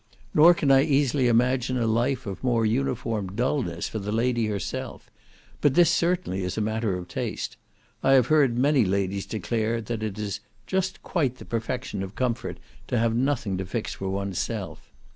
Nor can I easily imagine a life of more uniform dulness for the lady herself; but this certainly is a matter of taste. I have heard many ladies declare that it is "just quite the perfection of comfort to have nothing to fix for oneself."